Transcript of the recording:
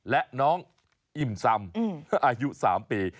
และน้องอิ่มซำอายุ๓ปี